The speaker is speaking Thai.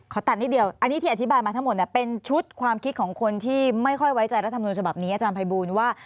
ตัดนิดเดียวอันนี้ที่อธิบายมาทั้งหมดเป็นชุดความคิดของคนที่ไม่ค่อยไว้ใจรัฐมนุนฉบับนี้อาจารย์ภัยบูลว่า